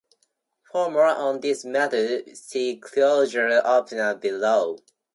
For more on this matter, see closure operator below.